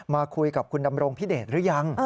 มาคุยกับคุณดำรงพิเดชหรือยัง